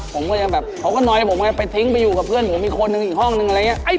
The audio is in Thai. ผมก็ยังแบบเขาก็น้อยผมไงไปทิ้งไปอยู่กับเพื่อนผมอีกคนนึงอีกห้องนึงอะไรอย่างนี้